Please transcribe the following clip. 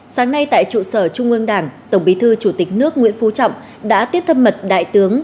sáng nay tại trụ sở trung ương đảng tổng bí thư chủ tịch nước nguyễn phú trọng đã tiếp thân mật đại tướng